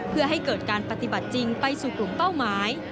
เพื่อให้เกิดการปฏิบัติจริงไปสู่กลุ่มเป้าหมาย